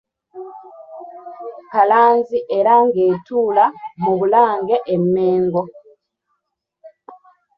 Kalanzi era ng'etuula mu Bulange e Mmengo.